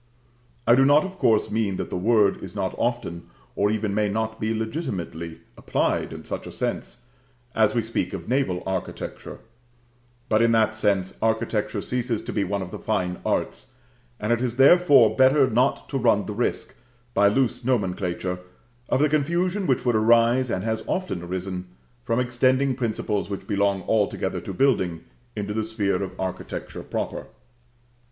I do not, of course, mean that the word is not often, or even may not be legitimately, applied in such a sense (as we speak of naval architecture); but in that sense architecture ceases to be one of the fine arts, and it is therefore better not to run the risk, by loose nomenclature, of the confusion which would arise, and has often arisen, from extending principles which belong altogether to building, into the sphere of architecture proper.